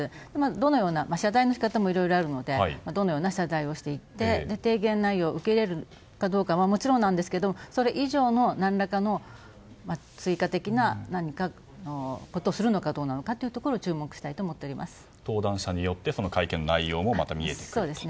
どのような謝罪の仕方もいろいろあるのでどのような謝罪をしていって提言内容を受け入れるかどうかはもちろんなんですけどそれ以上の何らかの追加的な何かをするのかというところ登壇者によって会見内容も見えてくるかと。